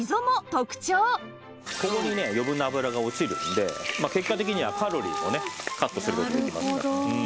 ここにね余分な脂が落ちるんで結果的にはカロリーもねカットする事できますから。